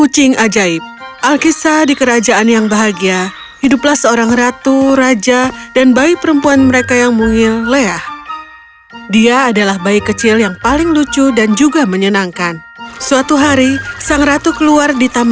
cerita dalam bahasa indonesia